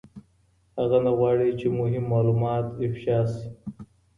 هغه نه غواړي چي مهم معلومات افشا سي.